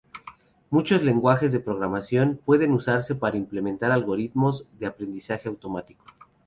Muchos lenguajes de programación pueden usarse para implementar algoritmos de aprendizaje automático.